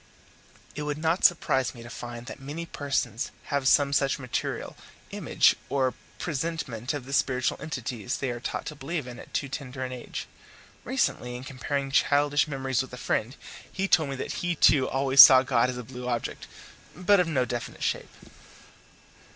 It would not surprise me to find that many persons have some such material image or presentment of the spiritual entities they are taught to believe in at too tender an age. Recently, in comparing childish memories with a friend, he told me that he too always saw God as a blue object, but of no definite shape.